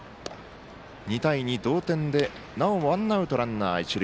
２対２、同点でなおもワンアウト、ランナー一塁。